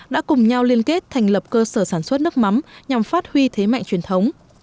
đã cùng nhau liên kết thành lập cơ sở sản xuất nước mắm nhằm phát huy thế mạnh truyền thống